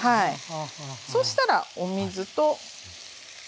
そしたらお水と。